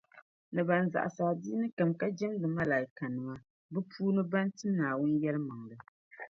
ni ban zaɣisi adiini kam ka jεmdi Malaaikanima, bɛ puuni ban ti Naawuni yεlimaŋli